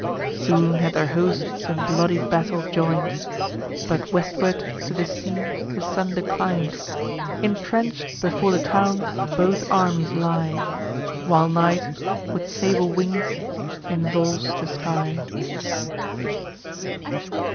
Soon had their hosts in bloody battle join'd; But westward to the sea the sun declin'd. Intrench'd before the town both armies lie, While night with sable wings involves the sky.